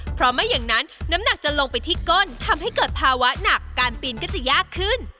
เพราะไม่อย่างนั้นน้ำหนักจะลงไปที่ก้นทำให้เกิดภาวะหนักการปีนก็จะยากขึ้น